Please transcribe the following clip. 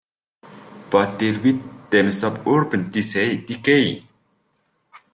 Both deal with themes of urban decay.